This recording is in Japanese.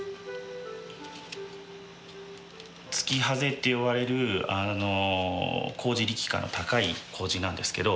突破精って呼ばれる麹力価の高い麹なんですけど。